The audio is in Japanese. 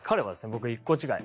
僕と１個違い。